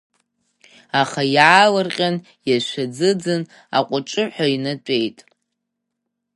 Аха иаалырҟьан иаашәаӡыӡын, аҟәыҿыҳәа инатәеит.